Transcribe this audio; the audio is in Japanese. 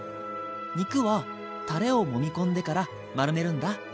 肉はたれをもみ込んでから丸めるんだ。